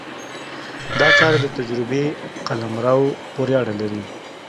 دا چارې د تجربې قلمرو پورې اړه لري.